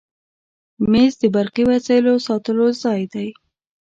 مېز د برقي وسایلو ساتلو ځای دی.